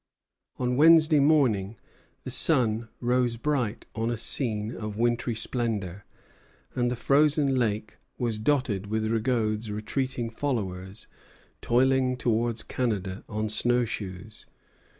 On Wednesday morning the sun rose bright on a scene of wintry splendor, and the frozen lake was dotted with Rigaud's retreating followers toiling towards Canada on snow shoes.